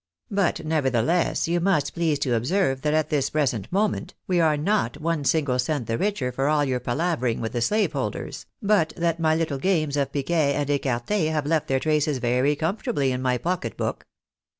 "But, never theless, you must pleiise to observe that at this present moment, we are not one single cent the richer for aU your palavering with the AJN OTHER DAY S TRIAL GRANTED. 237 slave holders, but that my little games of piquet and ecarte have left their traces very comfortably in my pocket book."